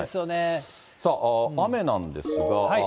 さあ、雨なんですが。